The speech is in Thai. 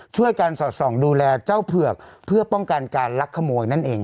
ช่วยการสอดส่องดูแลเจ้าเผือกเพื่อป้องกันการลักขโมยนั่นเอง